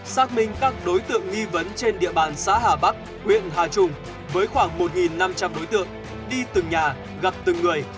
xác minh các đối tượng nghi vấn trên địa bàn xã hà bắc huyện hà trung với khoảng một năm trăm linh đối tượng đi từng nhà gặp từng người